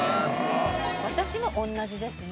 私も同じですね。